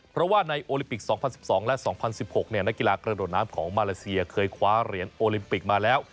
เพราะว่าในโอลิมปิก๒๐๑๒และ๒๐๑๖นักกีฬากระโดดน้ำของมาเลเซียเคยคว้าเหรียญโอลิมปิกมาแล้ว